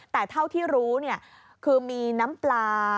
แต่เท่าที่รู้คือมีน้ำปลา